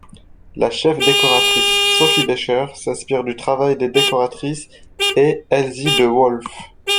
La chef décoratrice Sophie Becher s'inspire du travail des décoratrices et Elsie de Wolfe.